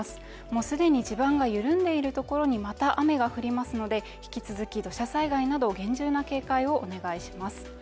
もう既に地盤が緩んでいるところにまた雨が降りますので引き続き土砂災害など厳重な警戒をお願いします。